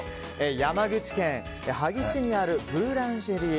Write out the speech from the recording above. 山口県萩市にあるブーランジェリー